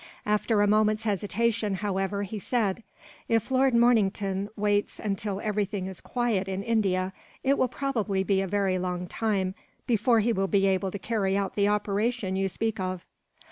After a moment's hesitation, however, he said: "If Lord Mornington waits until everything is quiet in India, it will probably be a very long time before he will be able to carry out the operation you speak of."